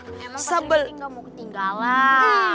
emang pak sikiti gak mau ketinggalan